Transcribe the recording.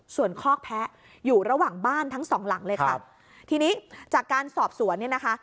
ส่วนคอกแพ้อยู่ระหว่างบ้านทั้งสองหลังเลยค่ะทีนี้จากการสอบสวนเนี่ยนะคะ